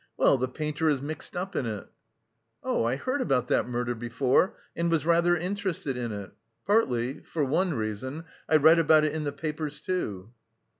Well, the painter is mixed up in it..." "Oh, I heard about that murder before and was rather interested in it... partly... for one reason.... I read about it in the papers, too...."